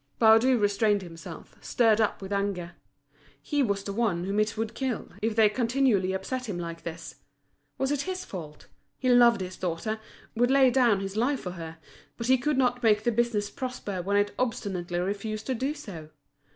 Baudu restrained himself, stirred up with anger. He was the one whom it would kill, if they continually upset him like this! Was it his fault? He loved his daughter—would lay down his life for her; but he could not make the business prosper when it obstinately refused to do so.